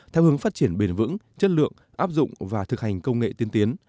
theo hướng phát triển bền vững chất lượng áp dụng và thực hành công nghệ tiên tiến